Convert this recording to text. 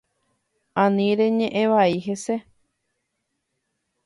Ani reñe’ẽ vai hese.